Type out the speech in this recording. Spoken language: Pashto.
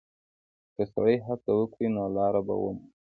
که سړی هڅه وکړي، نو لاره به ومومي.